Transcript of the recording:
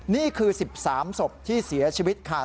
นี่คือ๑๓ศพที่เสียชีวิตค่ะ